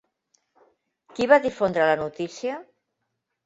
Qui va difondre la notícia?